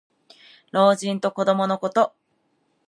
老人と子どものこと。